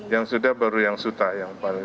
yang sudah baru yang suta yang paling ringan